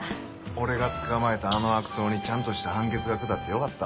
俺が捕まえたあの悪党にちゃんとした判決が下ってよかったわ。